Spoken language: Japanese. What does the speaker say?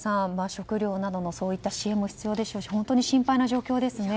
食料などの支援も必要でしょうし本当に心配な状況ですね。